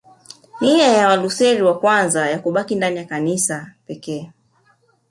Nia ya Walutheri wa kwanza ya kubaki ndani ya Kanisa pekee